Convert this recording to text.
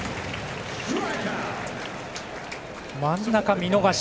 真ん中見逃し。